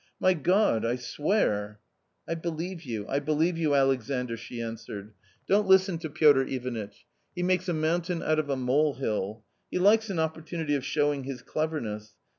My God, I swear "" I believe you, I believe you, Alexandr !" she answered ;" don't listen to Piotr Ivanitch ; he makes a mountain out of a molehill : he likes an opportunity of showing his clever ness.